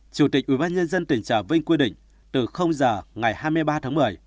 chủ tịch ubnd tỉnh trà vinh quy định từ giờ ngày hai mươi ba tháng một mươi